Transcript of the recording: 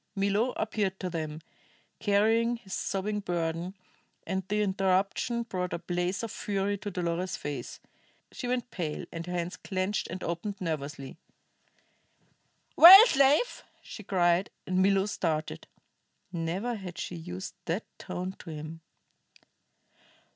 Milo appeared to them; carrying his sobbing burden, and the interruption brought a blaze of fury to Dolores's face. She went pale, and her hands clenched and opened nervously. "Well, slave?" she cried, and Milo started. Never had she used that tone to him.